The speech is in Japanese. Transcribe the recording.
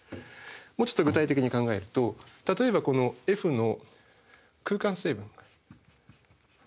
もうちょっと具体的に考えると例えばこのＦの空間成分。